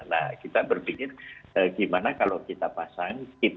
nah kita berpikir gimana kalau kita pasang